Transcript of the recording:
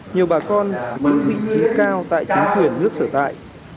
nhiều bà con cũng vị trí cao tại chính quyền nước sở tại